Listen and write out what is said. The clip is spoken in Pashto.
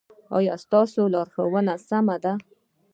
ایا ستاسو لارښوونه سمه ده؟